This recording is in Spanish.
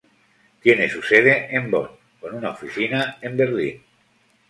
Tiene su sede en Bonn, con una oficina en Berlín.